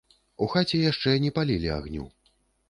У хаце яшчэ не палілі агню.